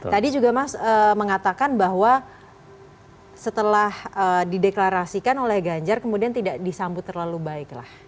tadi juga mas mengatakan bahwa setelah dideklarasikan oleh ganjar kemudian tidak disambut terlalu baik lah